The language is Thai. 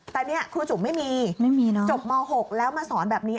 แต่เนี่ยครูจุ๋มไม่มีจบม๖แล้วมาสอนแบบนี้